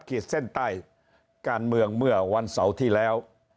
ขีดเส้นใต้การเมืองเมื่อวันเสาร์ที่แล้ว